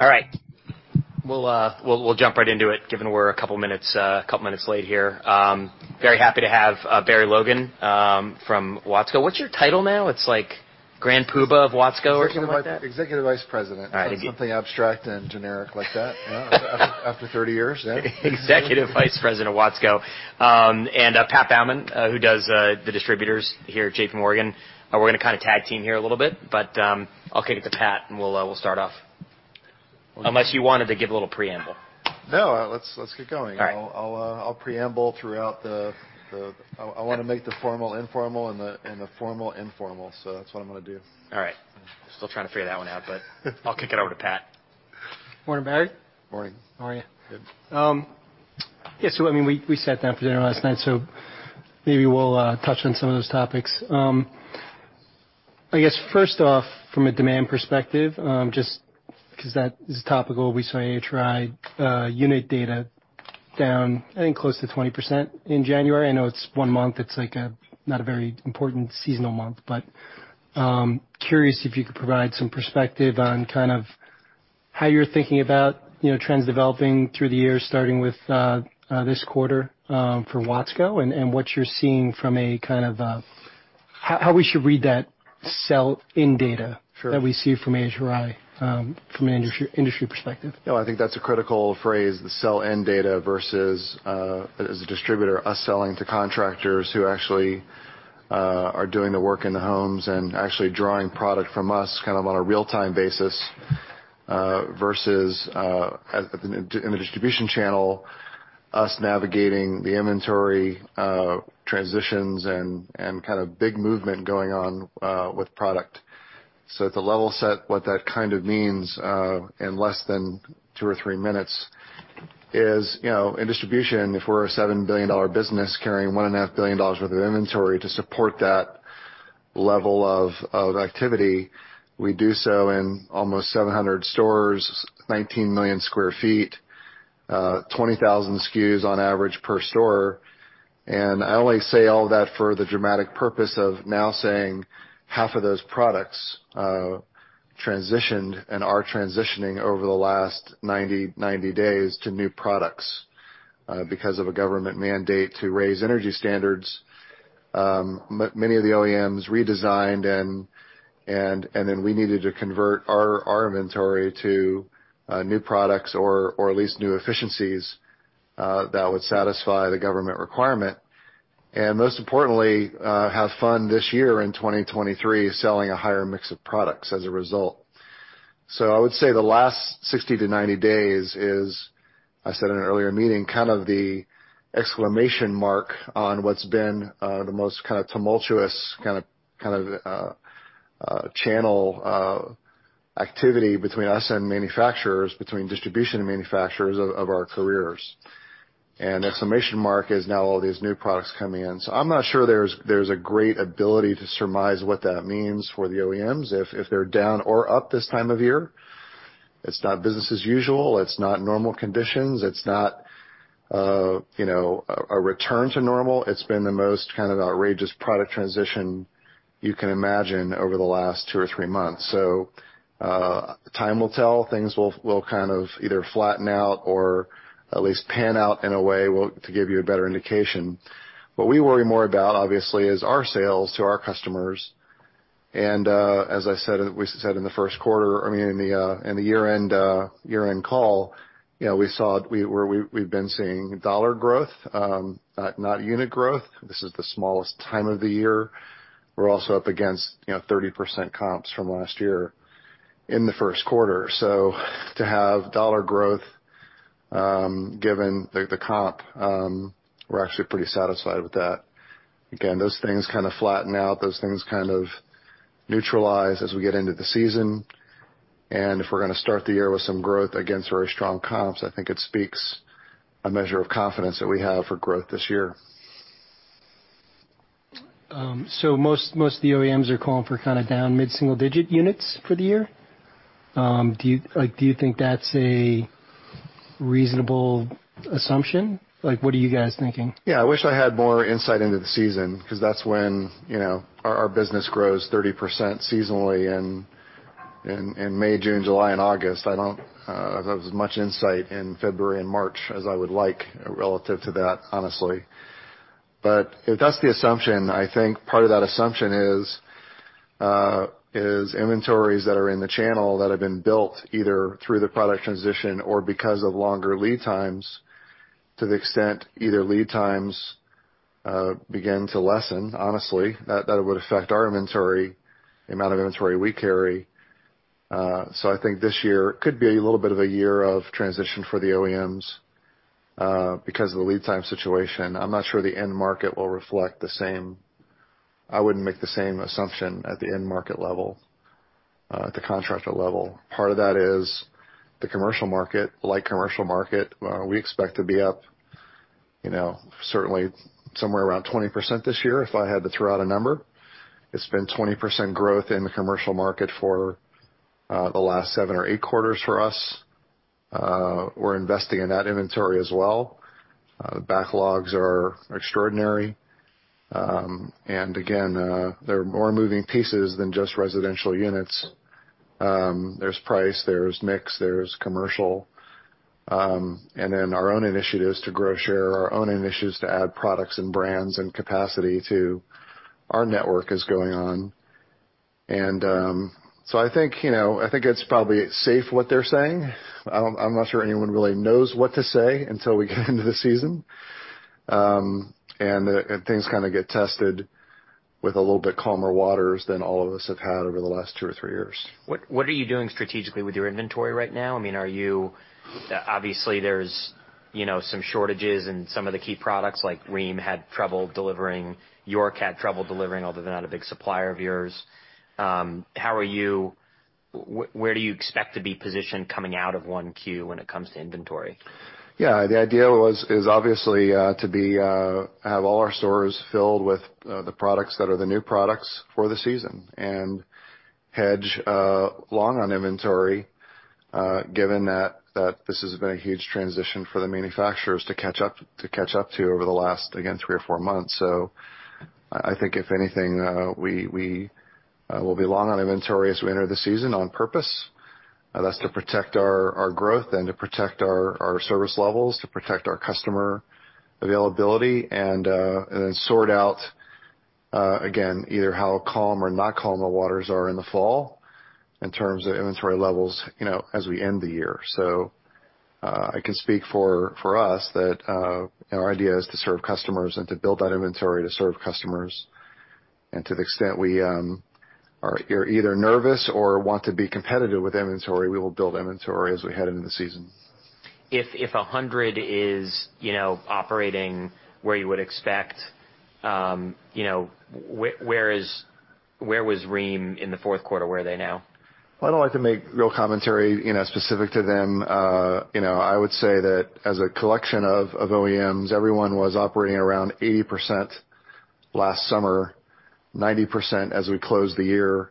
All right. We'll jump right into it, given we're a couple minutes late here. Very happy to have Barry Logan from Watsco. What's your title now? It's like Grand Poobah of Watsco or something like that? Executive Vice President. All right. Something abstract and generic like that. After 30 years. Yeah. Executive Vice President of Watsco. Pat Baumann, who does the distributors here at JPMorgan. We're gonna kinda tag team here a little bit, I'll kick it to Pat, and we'll start off. Unless you wanted to give a little preamble. No. Let's get going. All right. I'll preamble throughout. I wanna make the formal informal and the, and the formal informal. That's what I'm gonna do. All right. Still trying to figure that one out, but I'll kick it over to Pat. Morning, Barry. Morning. How are you? Good. Yeah, I mean, we sat down for dinner last night, so maybe we'll touch on some of those topics. I guess, first off, from a demand perspective, just 'cause that is a topic, obviously, AHRI, unit data down, I think, close to 20% in January. I know it's one month. It's like not a very important seasonal month. Curious if you could provide some perspective on kind of how you're thinking about, you know, trends developing through the year, starting with this quarter, for Watsco and, what you're seeing from a kind of... How we should read that sell-in data Sure. that we see from AHRI, from an industry perspective? No, I think that's a critical phrase, the sell-in data versus, as a distributor, us selling to contractors who actually are doing the work in the homes and actually drawing product from us kind of on a real-time basis, versus in the distribution channel, us navigating the inventory transitions and kind of big movement going on with product. At the level set, what that kind of means in less than two or three minutes is, you know, in distribution, if we're a $7 billion business carrying $1.5 billion worth of inventory to support that level of activity, we do so in almost 700 stores, 19 million sq ft, 20,000 SKUs on average per store... I only say all that for the dramatic purpose of now saying half of those products transitioned and are transitioning over the last 90 days to new products because of a government mandate to raise energy standards. Many of the OEMs redesigned and then we needed to convert our inventory to new products or at least new efficiencies that would satisfy the government requirement, and most importantly, have fund this year in 2023 selling a higher mix of products as a result. I would say the last 60 to 90 days is, I said in an earlier meeting, kind of the exclamation mark on what's been the most kind of tumultuous kind of channel activity between us and manufacturers, between distribution and manufacturers of our careers. Exclamation mark is now all these new products coming in. I'm not sure there's a great ability to surmise what that means for the OEMs if they're down or up this time of year. It's not business as usual. It's not normal conditions. It's not, you know, a return to normal. It's been the most kind of outrageous product transition you can imagine over the last two or three months. Time will tell. Things will kind of either flatten out or at least pan out in a way to give you a better indication. What we worry more about, obviously, is our sales to our customers. As I said, we said in the first quarter, I mean, in the year-end, year-end call, you know, we saw it. We've been seeing dollar growth, not unit growth. This is the smallest time of the year. We're also up against, you know, 30% comps from last year in the first quarter. To have dollar growth, given the comp, we're actually pretty satisfied with that. Again, those things kinda flatten out. Those things kind of neutralize as we get into the season. If we're gonna start the year with some growth against very strong comps, I think it speaks a measure of confidence that we have for growth this year. Most of the OEMs are calling for kinda down mid-single-digit units for the year. Do you think that's a reasonable assumption? Like, what are you guys thinking? Yeah. I wish I had more insight into the season 'cause that's when, you know, our business grows 30% seasonally in May, June, July and August. I don't have as much insight in February and March as I would like relative to that, honestly. If that's the assumption, I think part of that assumption is inventories that are in the channel that have been built either through the product transition or because of longer lead times, to the extent either lead times begin to lessen, honestly. That would affect our inventory, the amount of inventory we carry. I think this year could be a little bit of a year of transition for the OEMs because of the lead time situation. I'm not sure the end market will reflect the same. I wouldn't make the same assumption at the end market level, at the contractor level. Part of that is the commercial market, light commercial market, we expect to be up, you know, certainly somewhere around 20% this year, if I had to throw out a number. It's been 20% growth in the commercial market for the last seven or eight quarters for us. We're investing in that inventory as well. The backlogs are extraordinary. Again, there are more moving pieces than just residential units. There's price, there's mix, there's commercial, our own initiatives to grow share, our own initiatives to add products and brands and capacity to our network is going on. I think, you know, I think it's probably safe what they're saying. I'm not sure anyone really knows what to say until we get into the season. Things kind of get tested with a little bit calmer waters than all of us have had over the last two or three years. What are you doing strategically with your inventory right now? I mean, obviously, there's, you know, some shortages in some of the key products, like Rheem had trouble delivering. York had trouble delivering, although they're not a big supplier of yours. Where do you expect to be positioned coming out of 1Q when it comes to inventory? Yeah. The idea is obviously, to be, have all our stores filled with the products that are the new products for the season and hedge long on inventory, given that this has been a huge transition for the manufacturers to catch up to over the last, again, three or four months. I think if anything, we will be long on inventory as we enter the season on purpose. That's to protect our growth and to protect our service levels, to protect our customer availability and then sort out again, either how calm or not calm the waters are in the fall in terms of inventory levels, you know, as we end the year. I can speak for us that, our idea is to serve customers and to build that inventory to serve customers. To the extent we are either nervous or want to be competitive with inventory, we will build inventory as we head into the season. If a hundred is, you know, operating where you would expect, you know, where was Rheem in the fourth quarter? Where are they now? I don't like to make real commentary, you know, specific to them. You know, I would say that as a collection of OEMs, everyone was operating around 80% last summer, 90% as we closed the year,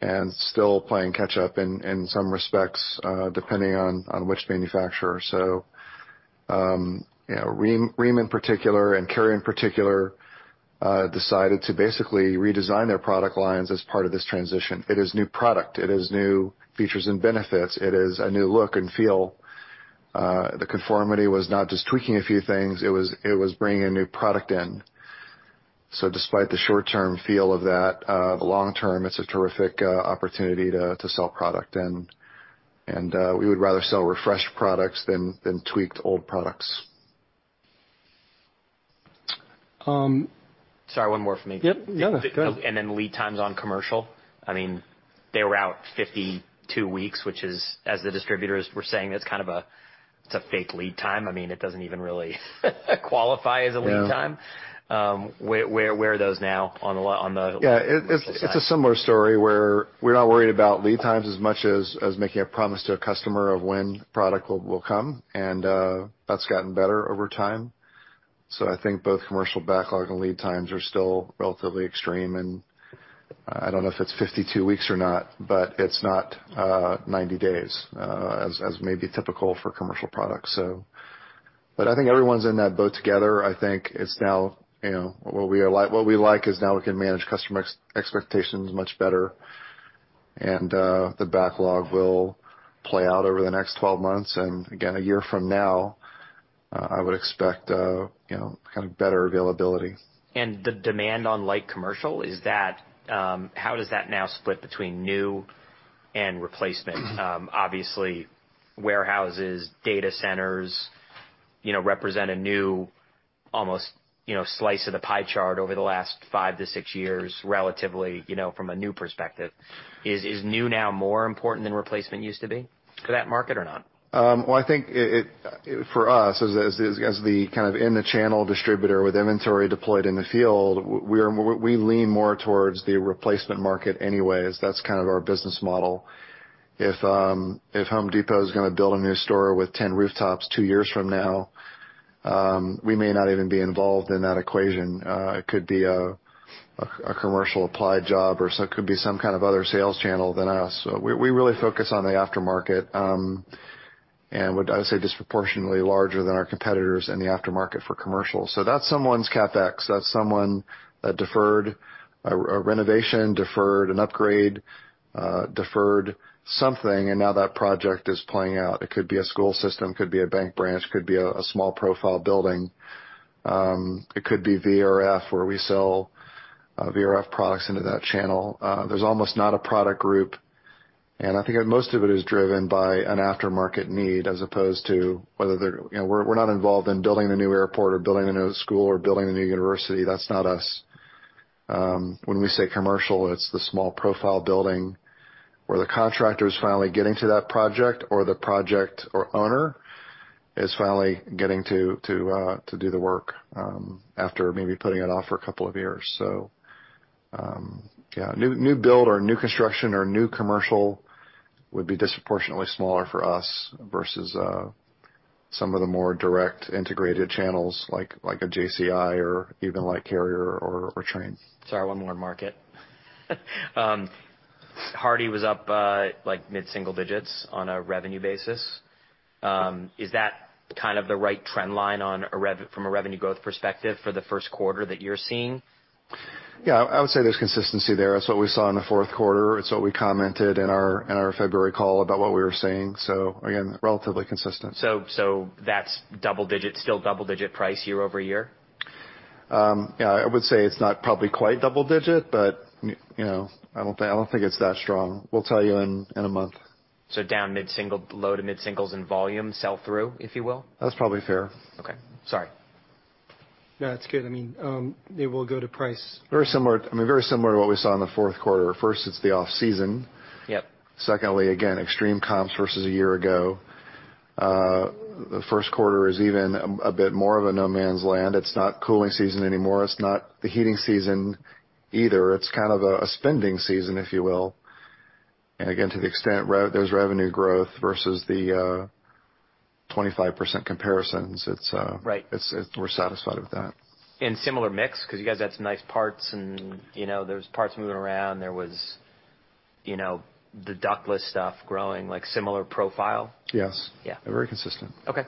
and still playing catch up in some respects, depending on which manufacturer. You know, Rheem in particular, and Carrier in particular, decided to basically redesign their product lines as part of this transition. It is new product. It is new features and benefits. It is a new look and feel. The conformity was not just tweaking a few things. It was, it was bringing a new product in. Despite the short-term feel of that, the long term, it's a terrific, opportunity to sell product. We would rather sell refreshed products than tweaked old products. Sorry, one more from me. Yep. No, no. Go ahead. Lead times on commercial. I mean, they were out 52 weeks, which is, as the distributors were saying, it's kind of a, it's a fake lead time. I mean, it doesn't even really qualify as a lead time. Yeah. Where are those now on the commercial side? Yeah. It's a similar story where we're not worried about lead times as much as making a promise to a customer of when product will come, and that's gotten better over time. I think both commercial backlog and lead times are still relatively extreme. I don't know if it's 52 weeks or not, but it's not 90 days as may be typical for commercial products. I think everyone's in that boat together. I think it's now, you know, what we like is now we can manage customer expectations much better, and the backlog will play out over the next 12 months. Again, a year from now, I would expect, you know, kind of better availability. The demand on light commercial, is that, how does that now split between new and replacement? Mm-hmm. Obviously, warehouses, data centers, you know, represent a new almost, you know, slice of the pie chart over the last five to six years, relatively, you know, from a new perspective. Is new now more important than replacement used to be to that market or not? Well, I think it, for us, as the kind of in-the-channel distributor with inventory deployed in the field, we lean more towards the replacement market anyways. That's kind of our business model. If, if Home Depot is gonna build a new store with 10 rooftops two years from now, we may not even be involved in that equation. It could be a commercial applied job or so it could be some kind of other sales channel than us. We really focus on the aftermarket, and I would say disproportionately larger than our competitors in the aftermarket for commercial. That's someone's CapEx. That's someone that deferred a renovation, deferred an upgrade, deferred something, and now that project is playing out. It could be a school system, could be a bank branch, could be a small profile building. It could be VRF where we sell VRF products into that channel. There's almost not a product group, and I think most of it is driven by an aftermarket need as opposed to whether they're. You know, we're not involved in building a new airport or building a new school or building a new university. That's not us. When we say commercial, it's the small profile building where the contractor is finally getting to that project or the project or owner is finally getting to do the work after maybe putting it off for a couple of years. New build or new construction or new commercial would be disproportionately smaller for us versus some of the more direct integrated channels like a JCI or even like Carrier or Trane. Sorry, one more on market. HARDI was up, like mid-single digits on a revenue basis. Is that kind of the right trend line from a revenue growth perspective for the first quarter that you're seeing? Yeah, I would say there's consistency there. That's what we saw in the fourth quarter. It's what we commented in our, in our February call about what we were seeing. Again, relatively consistent. That's double-digit, still double-digit price year-over-year? Yeah, I would say it's not probably quite double digit, but, you know, I don't think, I don't think it's that strong. We'll tell you in a month. Down mid-single, low-to-mid singles in volume sell through, if you will? That's probably fair. Okay. Sorry. No, that's good. I mean, it will go to price. I mean, very similar to what we saw in the fourth quarter. First, it's the off-season. Yep. Again, extreme comps versus a year ago. The first quarter is even a bit more of a no man's land. It's not cooling season anymore. It's not the heating season either. It's kind of a spending season, if you will. Again, to the extent there's revenue growth versus the 25% comparisons, it's. Right. We're satisfied with that. Similar mix, because you guys had some nice parts and, you know, there's parts moving around. There was, you know, the ductless stuff growing, like similar profile? Yes. Yeah. Very consistent. Okay.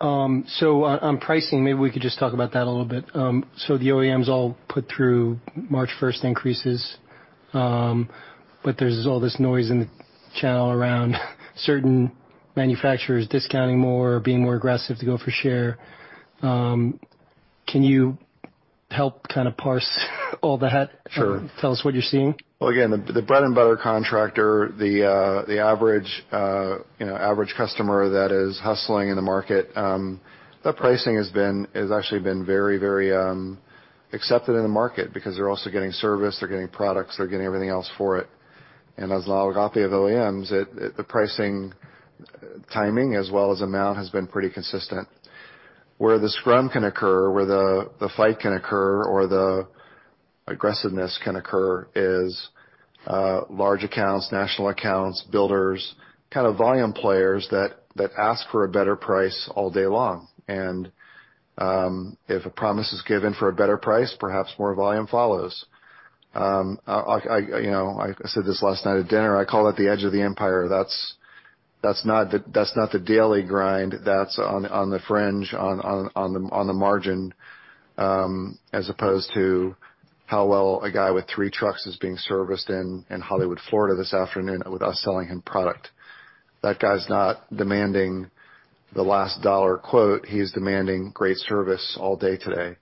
On pricing, maybe we could just talk about that a little bit. The OEMs all put through March first increases, but there's all this noise in the channel around certain manufacturers discounting more, being more aggressive to go for share. Can you help kind of parse all that? Sure. Tell us what you're seeing. Well, again, the bread and butter contractor, the average, you know, average customer that is hustling in the market, the pricing has actually been very, very accepted in the market because they're also getting service, they're getting products, they're getting everything else for it. As [inaudible] of OEMs, the pricing timing as well as the amount has been pretty consistent. Where the scrum can occur, the fight can occur, the aggressiveness can occur is large accounts, national accounts, builders. Kind of volume players that ask for a better price all day long. If a promise is given for a better price, perhaps more volume follows. I said this last time, I called it the age of the empire. That's not the daily grind, that's on the fringe, on the margin, as opposed to how well a guy with three trucks is being serviced in Hollywood for the [inaudible] selling our product. That guy is not demanding the last dollar, "he is demanding great service" all day today.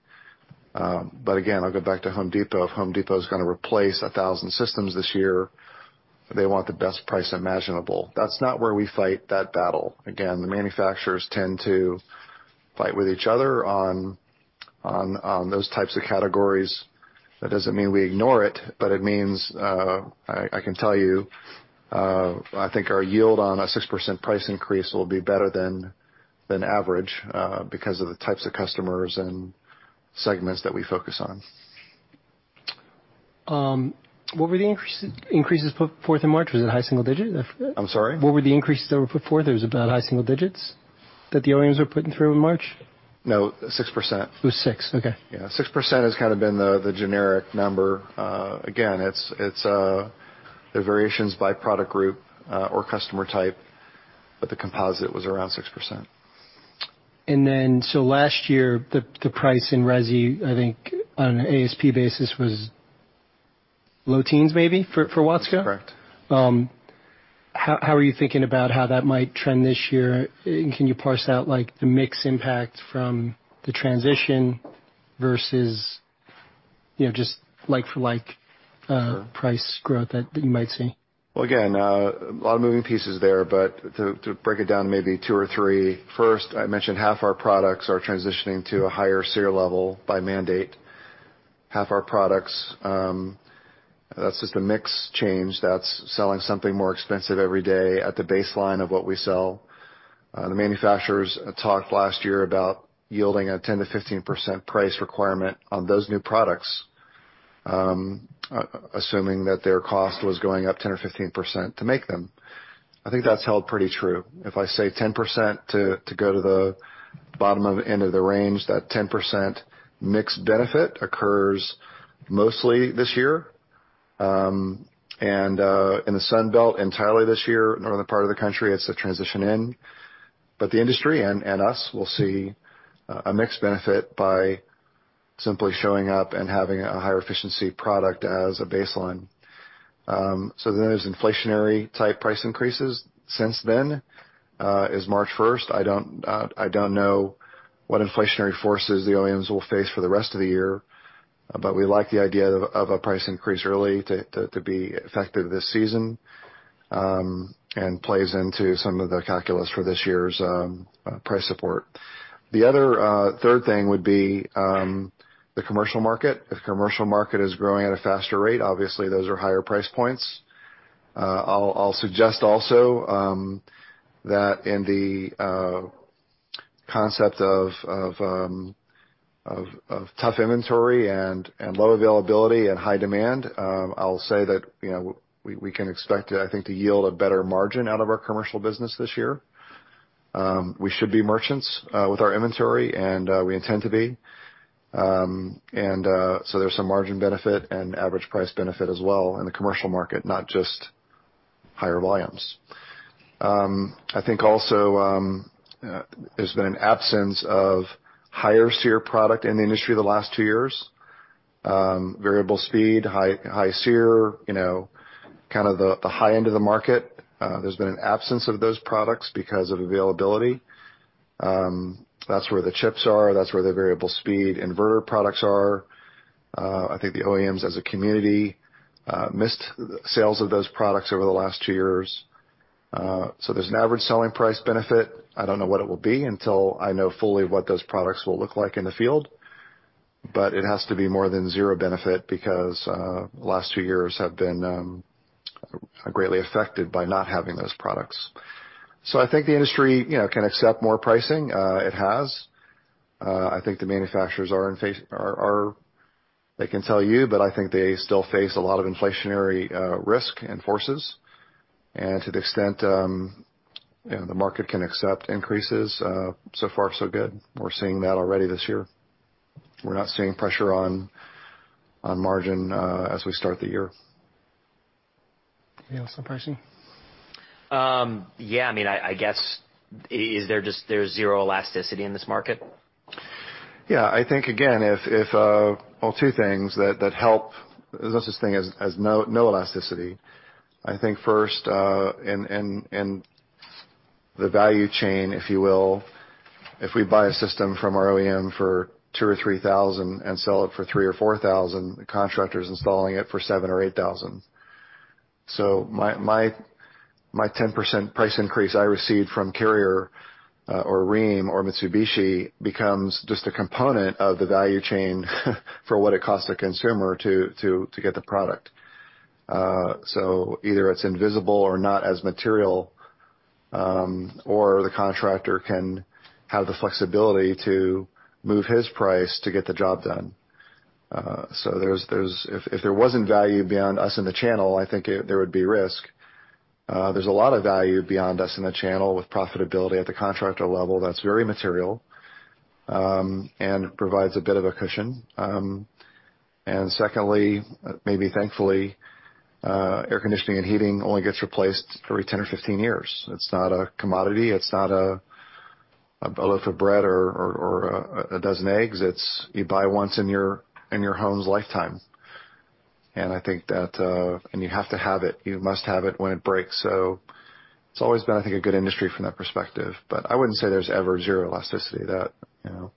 Then again I'm going back to Home Depot. Home Depot is going to replace a thousands of systems this year, they want the best price imagineable. That's not where we fight that battle, again the manufacturers tend to fight with each other on those types of categories. It doesn't mean we ignore but it means, I can tell you, I think our yield on a 6% price increase will be better than average because of the types of customers and segments that we focus on. What were the increases forth in March? Was it high single digit? I'm sorry. What were the increases that were put forth? It was about high single digits that the OEMs were putting through in March? No, 6%. It was six. Okay. Yeah. 6% has kind of been the generic number. Again, it's the variations by product group, or customer type, but the composite was around 6%. Last year, the price in Resi, I think on an ASP basis, was low teens maybe for Watsco? Correct. How are you thinking about how that might trend this year? Can you parse out like the mix impact from the transition versus, you know, just like-for-like, price growth that you might see? Well, again, a lot of moving pieces there, to break it down, maybe two or three. First, I mentioned half our products are transitioning to a higher SEER level by mandate. Half our products, that's just a mix change that's selling something more expensive every day at the baseline of what we sell. The manufacturers talked last year about yielding a 10%-15% price requirement on those new products, assuming that their cost was going up 10%-15% to make them. I think that's held pretty true. If I say 10% to go to the bottom of end of the range, that 10% mix benefit occurs mostly this year, in the Sun Belt entirely this year. Northern part of the country, it's a transition in. The industry and us will see a mix benefit by simply showing up and having a higher efficiency product as a baseline. There's inflationary type price increases since then, is March 1st. I don't know what inflationary forces the OEMs will face for the rest of the year, but we like the idea of a price increase early to be effective this season and plays into some of the calculus for this year's price support. The other third thing would be the commercial market. If commercial market is growing at a faster rate, obviously those are higher price points. I'll suggest also that in the concept of tough inventory and low availability and high demand, I'll say that, you know, we can expect, I think, to yield a better margin out of our commercial business this year. We should be merchants with our inventory, and we intend to be. There's some margin benefit and average price benefit as well in the commercial market, not just higher volumes. I think also, there's been an absence of higher SEER product in the industry the last two years. Variable speed, high SEER, you know, kind of the high end of the market. There's been an absence of those products because of availability. That's where the chips are. That's where the variable speed inverter products are. I think the OEMs as a community missed sales of those products over the last two years. There's an average selling price benefit. I don't know what it will be until I know fully what those products will look like in the field. It has to be more than 0 benefit because the last few years have been greatly affected by not having those products. I think the industry, you know, can accept more pricing. It has. I think the manufacturers are. They can tell you, but I think they still face a lot of inflationary risk and forces. To the extent, you know, the market can accept increases, so far so good. We're seeing that already this year. We're not seeing pressure on margin as we start the year. Anything else on pricing? Yeah. I mean, I guess is there zero elasticity in this market? Yeah. I think again, if Well, two things that help. There's no such thing as no elasticity. I think first, in the value chain, if you will, if we buy a system from our OEM for $2,000 or $3,000 and sell it for $3,000 or $4,000, the contractor's installing it for $7,000 or $8,000. My 10% price increase I receive from Carrier, or Rheem or Mitsubishi becomes just a component of the value chain for what it costs the consumer to get the product. Either it's invisible or not as material, or the contractor can have the flexibility to move his price to get the job done. There's If there wasn't value beyond us in the channel, I think there would be risk. There's a lot of value beyond us in the channel with profitability at the contractor level that's very material, and provides a bit of a cushion. Secondly, maybe thankfully, air conditioning and heating only gets replaced every 10 or 15 years. It's not a commodity. It's not a loaf of bread or, or a dozen eggs. It's you buy once in your, in your home's lifetime. I think that. You have to have it. You must have it when it breaks. So it's always been, I think, a good industry from that perspective. I wouldn't say there's ever zero elasticity that, you know,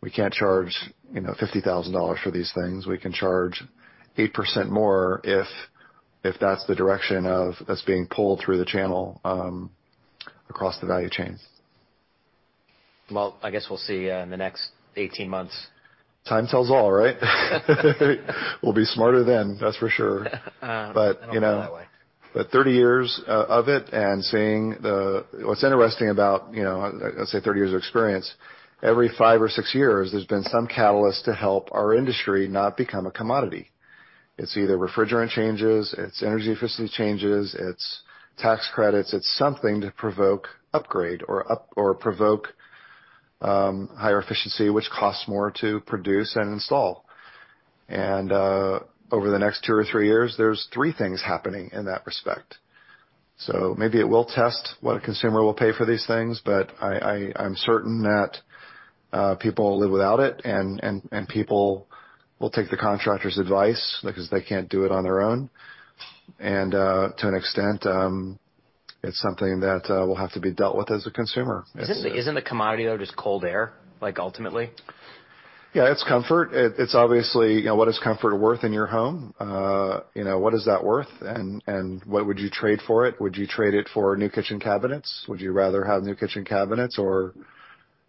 we can't charge, you know, $50,000 for these things. We can charge 8% more if that's the direction of what's being pulled through the channel, across the value chains. Well, I guess we'll see, in the next 18 months. Time tells all, right? We'll be smarter then, that's for sure. I don't know about it that way. You know, but 30 years of it and seeing what's interesting about, you know, let's say 30 years of experience, every five or six years, there's been some catalyst to help our industry not become a commodity. It's either refrigerant changes, it's energy efficiency changes, it's tax credits. It's something to provoke upgrade or provoke higher efficiency, which costs more to produce and install. Over the next two or three years, there's three things happening in that respect. Maybe it will test what a consumer will pay for these things, but I'm certain that people will live without it and people will take the contractor's advice because they can't do it on their own. To an extent, it's something that will have to be dealt with as a consumer. Isn't the commodity, though, just cold air, like, ultimately? Yeah, it's comfort. It's obviously, you know, what is comfort worth in your home? You know, what is that worth? What would you trade for it? Would you trade it for new kitchen cabinets? Would you rather have new kitchen cabinets or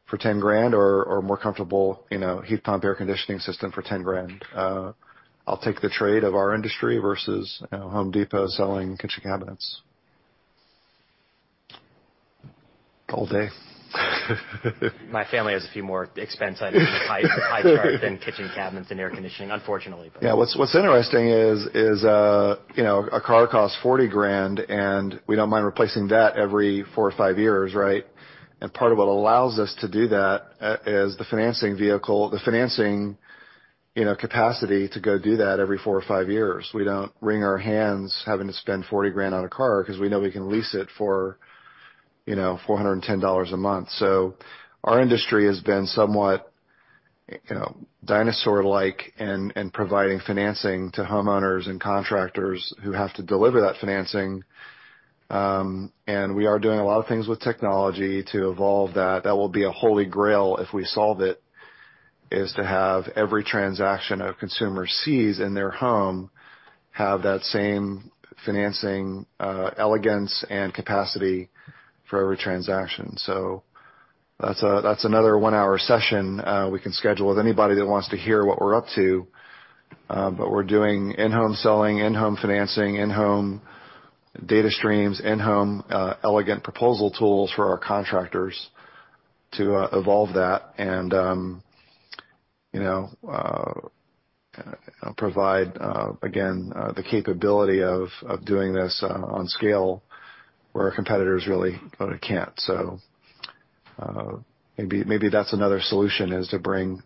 for $10,000 or more comfortable, you know, heat pump air conditioning system for $10,000? I'll take the trade of our industry versus, you know, The Home Depot selling kitchen cabinets. Cold day. My family has a few more expense items in the pipe chart than kitchen cabinets and air conditioning, unfortunately, but. Yeah. What's interesting is, you know, a car costs $40 grand, and we don't mind replacing that every four or five years, right? Part of what allows us to do that is the financing vehicle, the financing, you know, capacity to go do that every four or five years. We don't wring our hands having to spend $40 grand on a car because we know we can lease it for, you know, $410 a month. Our industry has been somewhat, you know, dinosaur-like in providing financing to homeowners and contractors who have to deliver that financing. We are doing a lot of things with technology to evolve that. That will be a holy grail if we solve it, is to have every transaction a consumer sees in their home have that same financing, elegance and capacity for every transaction. That's, that's another one-hour session, we can schedule with anybody that wants to hear what we're up to. We're doing in-home selling, in-home financing, in-home data streams, in-home, elegant proposal tools for our contractors. To evolve that and, you know, provide, again, the capability of doing this, on scale where our competitors really can't. Maybe, maybe that's another solution, is to bring,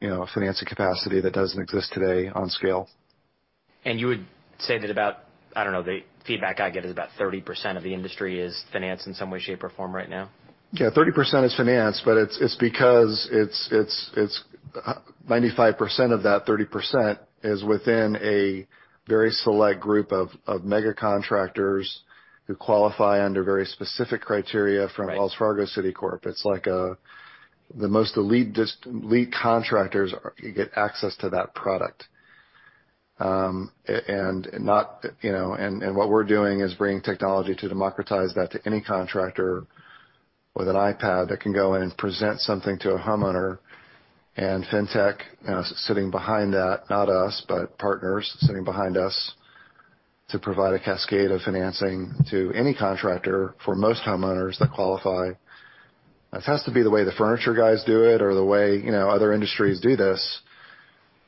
you know, a financing capacity that doesn't exist today on scale. You would say that about, I don't know, the feedback I get is about 30% of the industry is financed in some way, shape, or form right now? Yeah, 30% is financed, but it's because it's 95% of that 30% is within a very select group of mega contractors who qualify under very specific criteria from Right. Wells Fargo, Citicorp. It's like the most elite elite contractors get access to that product. What we're doing is bringing technology to democratize that to any contractor with an iPad that can go in and present something to a homeowner, and fintech sitting behind that, not us, but partners sitting behind us to provide a cascade of financing to any contractor for most homeowners that qualify. If it has to be the way the furniture guys do it or the way, you know, other industries do this,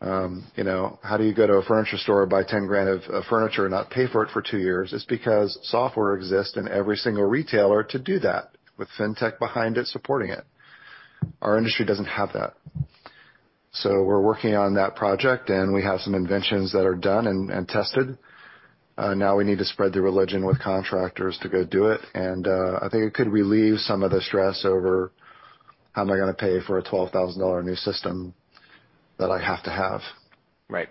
you know, how do you go to a furniture store, buy $10,000 of furniture and not pay for it for two years? It's because software exists in every single retailer to do that with fintech behind it supporting it. Our industry doesn't have that. We're working on that project, and we have some inventions that are done and tested. Now we need to spread the religion with contractors to go do it. I think it could relieve some of the stress over how am I gonna pay for a $12,000 new system that I have to have. Right.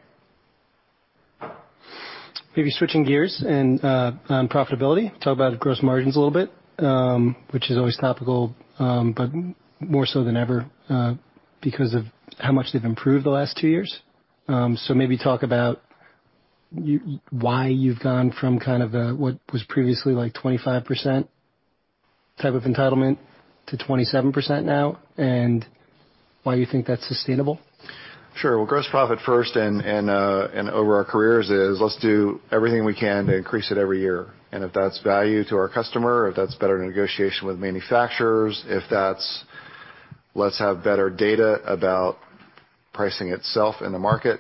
Maybe switching gears and on profitability, talk about gross margins a little bit, which is always topical, but more so than ever, because of how much they've improved the last 2 years. Maybe talk about why you've gone from kind of, what was previously, like 25% type of entitlement to 27% now, and why you think that's sustainable. Sure. Well, gross profit first and over our careers is let's do everything we can to increase it every year. If that's value to our customer, or if that's better negotiation with manufacturers, if that's let's have better data about pricing itself in the market.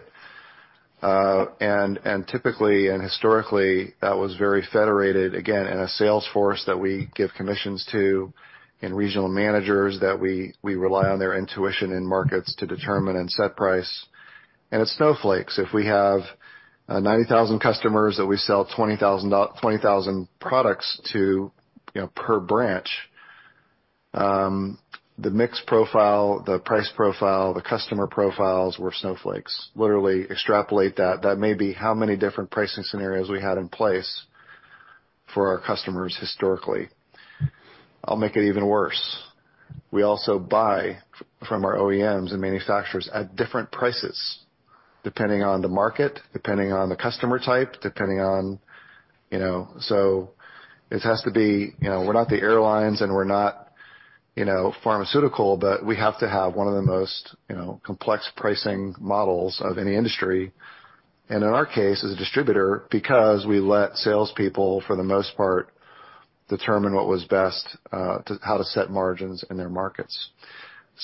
Typically and historically, that was very federated, again, in a sales force that we give commissions to and regional managers that we rely on their intuition in markets to determine and set price. It's snowflakes. If we have 90,000 customers that we sell 20,000 products to, you know, per branch, the mix profile, the price profile, the customer profiles were snowflakes. Literally extrapolate that may be how many different pricing scenarios we had in place for our customers historically. I'll make it even worse. We also buy from our OEMs and manufacturers at different prices, depending on the market, depending on the customer type, depending on, you know. It has to be, you know, we're not the airlines and we're not, you know, pharmaceutical, but we have to have one of the most, you know, complex pricing models of any industry, and in our case, as a distributor, because we let salespeople, for the most part, determine what was best to how to set margins in their markets.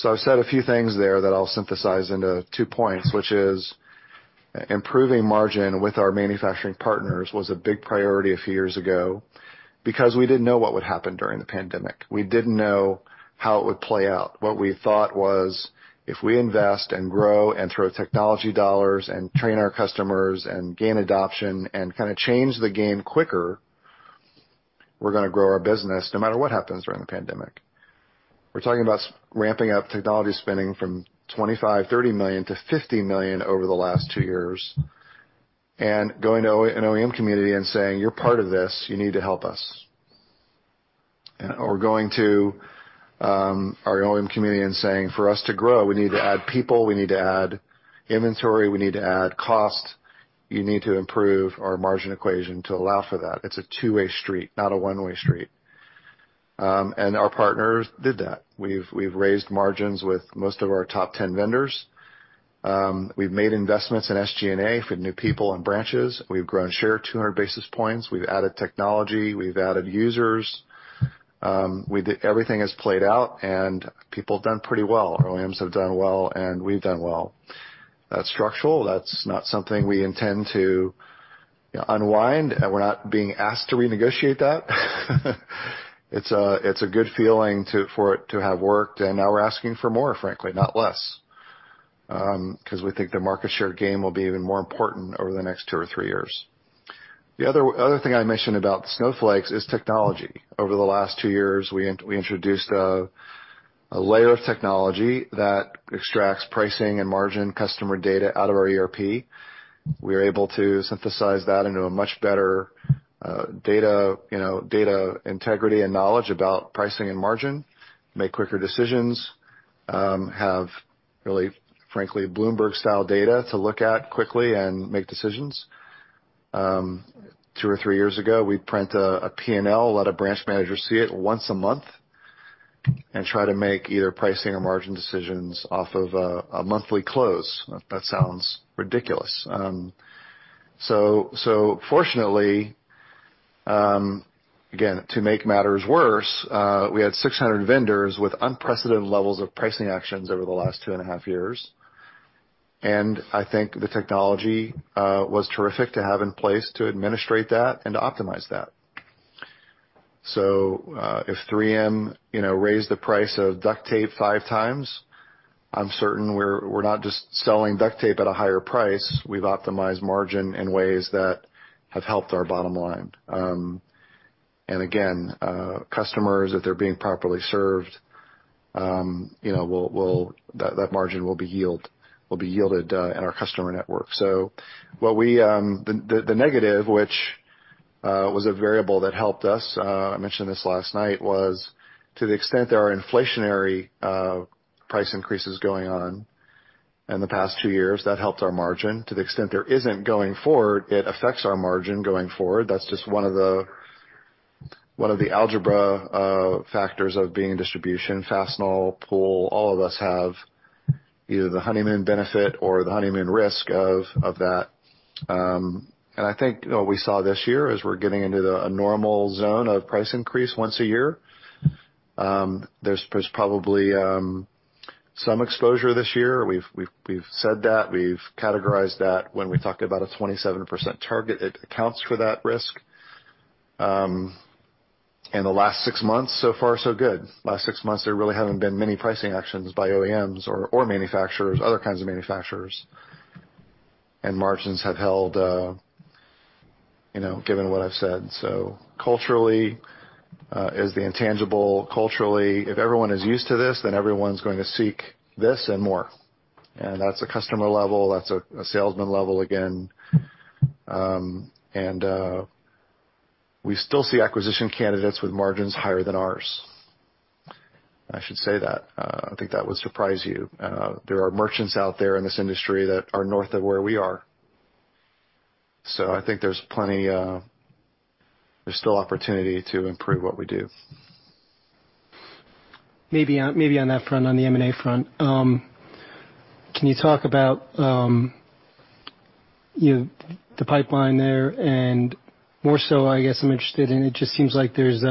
I've said a few things there that I'll synthesize into two points, which is improving margin with our manufacturing partners was a big priority a few years ago because we didn't know what would happen during the pandemic. We didn't know how it would play out. What we thought was if we invest and grow and throw technology dollars and train our customers and gain adoption and kinda change the game quicker, we're gonna grow our business no matter what happens during the pandemic. We're talking about ramping up technology spending from $25 million, $30 million to $50 million over the last two years and going to an OEM community and saying, "You're part of this. You need to help us." Going to our OEM community and saying, "For us to grow, we need to add people, we need to add inventory, we need to add cost. You need to improve our margin equation to allow for that. It's a two-way street, not a one-way street." Our partners did that. We've raised margins with most of our top 10 vendors. We've made investments in SG&A for new people and branches. We've grown share 200 basis points. We've added technology. We've added users. Everything has played out and people have done pretty well. Our OEMs have done well, and we've done well. That's structural. That's not something we intend to unwind, and we're not being asked to renegotiate that. It's a, it's a good feeling to, for it to have worked, and now we're asking for more, frankly, not less, 'cause we think the market share game will be even more important over the next 2 or 3 years. The other thing I mentioned about snowflakes is technology. Over the last 2 years, we introduced a layer of technology that extracts pricing and margin customer data out of our ERP. We are able to synthesize that into a much better, data, you know, data integrity and knowledge about pricing and margin, make quicker decisions, have really, frankly, Bloomberg-style data to look at quickly and make decisions. Two or three years ago, we'd print a P&L, let a branch manager see it once a month and try to make either pricing or margin decisions off of a monthly close. That sounds ridiculous. Fortunately, again, to make matters worse, we had 600 vendors with unprecedented levels of pricing actions over the last two and a half years. I think the technology was terrific to have in place to administrate that and to optimize that. If 3M, you know, raised the price of duct tape 5x, I'm certain we're not just selling duct tape at a higher price. We've optimized margin in ways that have helped our bottom line. Again, customers, if they're being properly served, you know, that margin will be yielded in our customer network. What we, the negative, which was a variable that helped us, I mentioned this last night, was to the extent there are inflationary price increases going on in the past two years, that helped our margin. To the extent there isn't going forward, it affects our margin going forward. That's just one of the, one of the algebra factors of being in distribution, Fastenal, Pool, all of us have either the honeymoon benefit or the honeymoon risk of that. I think what we saw this year as we're getting into a normal zone of price increase once a year, there's probably some exposure this year. We've said that. We've categorized that when we talked about a 27% target. It accounts for that risk. The last six months, so far so good. Last six months, there really haven't been many pricing actions by OEMs or manufacturers, other kinds of manufacturers. Margins have held, you know, given what I've said. Culturally is the intangible. Culturally, if everyone is used to this, then everyone's going to seek this and more. That's a customer level, that's a salesman level again. We still see acquisition candidates with margins higher than ours. I should say that, I think that would surprise you. There are merchants out there in this industry that are north of where we are. I think there's plenty, there's still opportunity to improve what we do. Maybe on that front, on the M&A front. Can you talk about, you know, the pipeline there, and more so I guess I'm interested in, it just seems like there's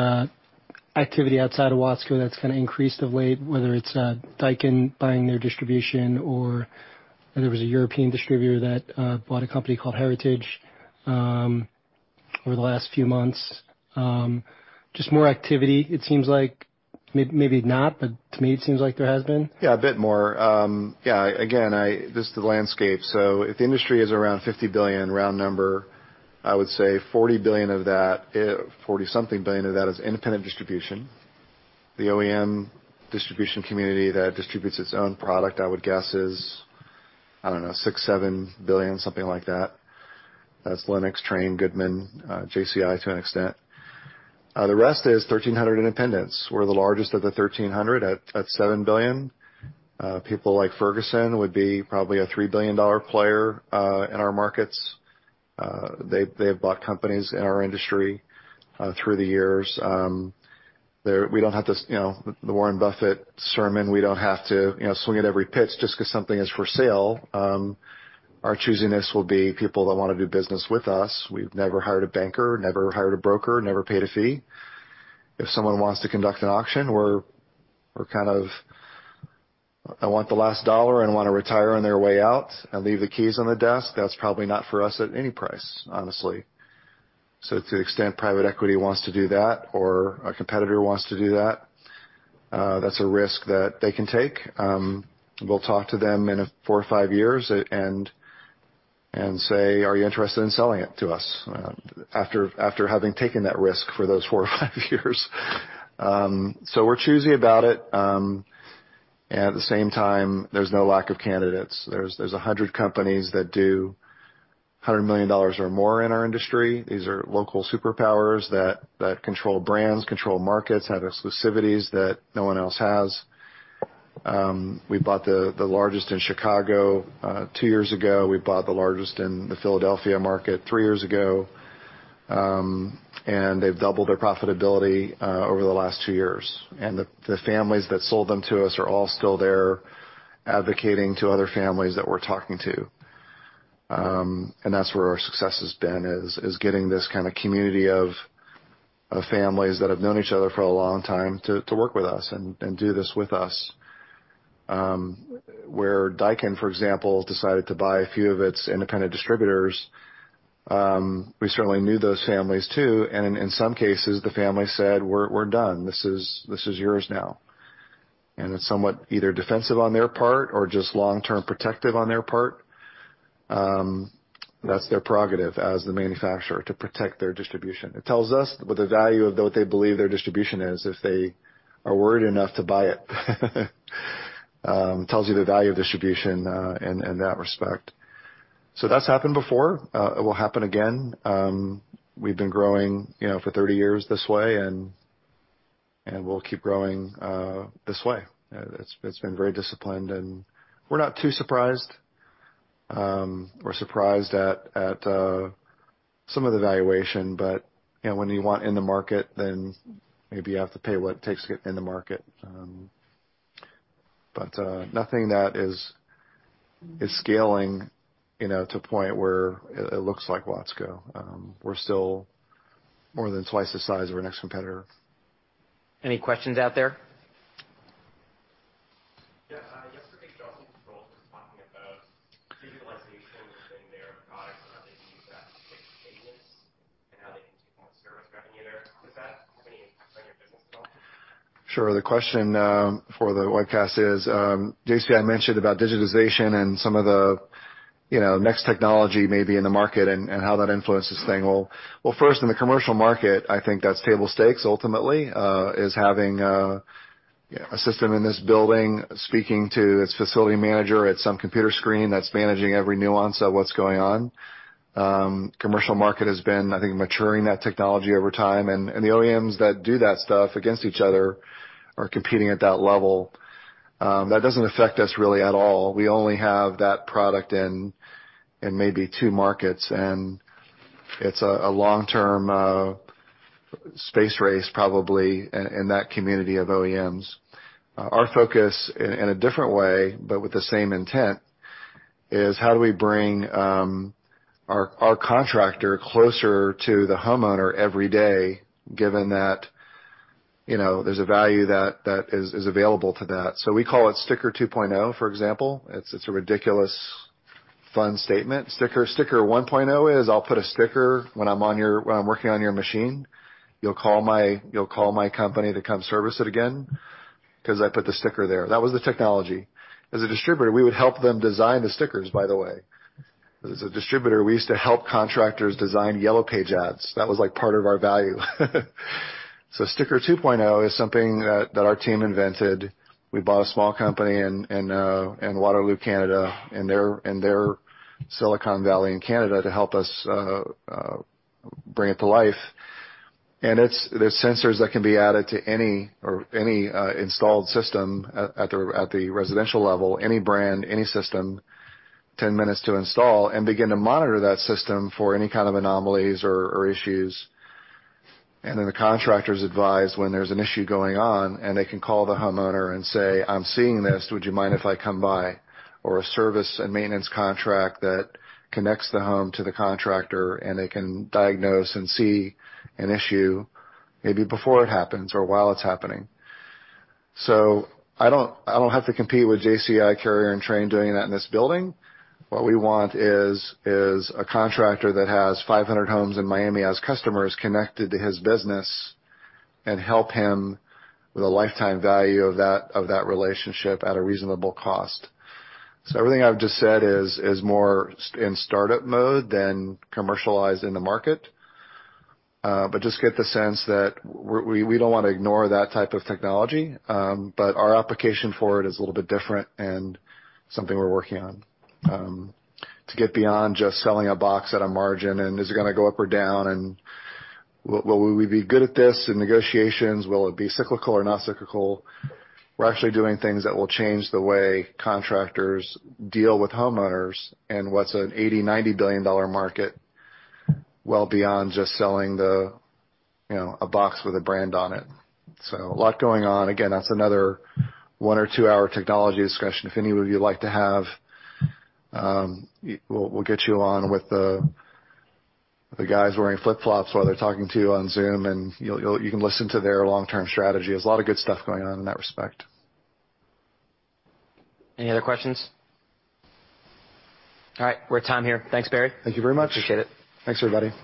activity outside of Watsco that's kind of increased of late, whether it's Daikin buying their distribution, or there was a European distributor that bought a company called Heritage, over the last few months. Just more activity, it seems like. Maybe not, but to me, it seems like there has been. Yeah, a bit more. Yeah, again, just the landscape. If the industry is around $50 billion, round number, I would say $40 billion of that, $40 something billion of that is independent distribution. The OEM distribution community that distributes its own product, I would guess is, I don't know, $6 billion-$7 billion, something like that. That's Lennox, Trane, Goodman, JCI to an extent. The rest is 1,300 independents. We're the largest of the 1,300 at $7 billion. People like Ferguson would be probably a $3 billion player in our markets. They have bought companies in our industry through the years. We don't have to, you know, the Warren Buffett sermon, we don't have to, you know, swing at every pitch just because something is for sale. Our choosiness will be people that wanna do business with us. We've never hired a banker, never hired a broker, never paid a fee. If someone wants to conduct an auction, we're kind of, I want the last dollar and wanna retire on their way out and leave the keys on the desk, that's probably not for us at any price, honestly. To the extent private equity wants to do that or a competitor wants to do that's a risk that they can take. We'll talk to them in a 4 or 5 years and say, "Are you interested in selling it to us?" After having taken that risk for those 4 or 5 years. We're choosy about it. At the same time, there's no lack of candidates. There's a 100 companies that do $100 million or more in our industry. These are local superpowers that control brands, control markets, have exclusivities that no one else has. We bought the largest in Chicago two years ago. We bought the largest in the Philadelphia market three years ago. They've doubled their profitability over the last 2 years. The families that sold them to us are all still there advocating to other families that we're talking to. That's where our success has been, is getting this kind of community of families that have known each other for a long time to work with us and do this with us. Where Daikin, for example, decided to buy a few of its independent distributors, we certainly knew those families too, and in some cases, the family said, "We're done. This is yours now." It's somewhat either defensive on their part or just long-term protective on their part. That's their prerogative as the manufacturer to protect their distribution. It tells us what the value of what they believe their distribution is if they are worried enough to buy it. It tells you the value of distribution in that respect. That's happened before. It will happen again. We've been growing, you know, for 30 years this way and we'll keep growing this way. It's been very disciplined, and we're not too surprised. We're surprised at some of the valuation, you know, when you want in the market, then maybe you have to pay what it takes to get in the market. nothing that is scaling, you know, to a point where it looks like Watsco. We're still more than twice the size of our next competitor. Any questions out there? Yesterday, Johnson Controls was talking about digitalization within their products and how they can use that to fix cadence and how they can take more service revenue there. Does that have any impact on your business at all? Sure. The question for the webcast is, JCI mentioned about digitization and some of the, you know, next technology maybe in the market and how that influences thing. Well, first, in the commercial market, I think that's table stakes ultimately, is having a system in this building speaking to its facility manager at some computer screen that's managing every nuance of what's going on. Commercial market has been, I think, maturing that technology over time. The OEMs that do that stuff against each other are competing at that level. That doesn't affect us really at all. We only have that product in maybe two markets, and it's a long-term space race probably in that community of OEMs. Our focus in a different way, but with the same intent, is how do we bring our contractor closer to the homeowner every day, given that, you know, there's a value that is available to that. We call it Sticker 2.0, for example. It's a ridiculous fun statement. Sticker 1.0 is I'll put a sticker when I'm working on your machine. You'll call my company to come service it again 'cause I put the sticker there. That was the technology. As a distributor, we would help them design the stickers, by the way. As a distributor, we used to help contractors design Yellow Page ads. That was, like, part of our value. Sticker 2.0 is something that our team invented. We bought a small company in Waterloo, Canada, in their, in their Silicon Valley in Canada to help us bring it to life. It's the sensors that can be added to any installed system at the residential level, any brand, any system, 10 minutes to install and begin to monitor that system for any kind of anomalies or issues. Then the contractor's advised when there's an issue going on, and they can call the homeowner and say, "I'm seeing this. Would you mind if I come by?" Or a service and maintenance contract that connects the home to the contractor, and they can diagnose and see an issue maybe before it happens or while it's happening. I don't have to compete with JCI, Carrier, and Trane doing that in this building. What we want is a contractor that has 500 homes in Miami as customers connected to his business and help him with a lifetime value of that, of that relationship at a reasonable cost. Everything I've just said is more in startup mode than commercialized in the market. Just get the sense that we don't wanna ignore that type of technology, our application for it is a little bit different and something we're working on to get beyond just selling a box at a margin, and is it gonna go up or down, and will we be good at this in negotiations? Will it be cyclical or not cyclical? We're actually doing things that will change the way contractors deal with homeowners and what's an $80 billion-$90 billion market, well beyond just selling the, you know, a box with a brand on it. A lot going on. Again, that's another one or two-hour technology discussion. If any of you would like to have, we'll get you on with the guys wearing flip-flops while they're talking to you on Zoom, you can listen to their long-term strategy. There's a lot of good stuff going on in that respect. Any other questions? All right. We're at time here. Thanks, Barry. Thank you very much. Appreciate it. Thanks, everybody.